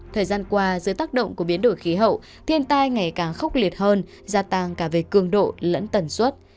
thời gian qua dưới tác động của biến đổi khí hậu thiên tai ngày càng khốc liệt hơn gia tăng cả về cường độ lẫn tần suất